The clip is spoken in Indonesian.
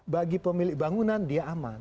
bagi pemilik bangunan dia aman